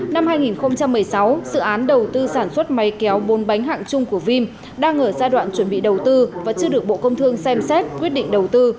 năm hai nghìn một mươi sáu dự án đầu tư sản xuất máy kéo bốn bánh hạng chung của vim đang ở giai đoạn chuẩn bị đầu tư và chưa được bộ công thương xem xét quyết định đầu tư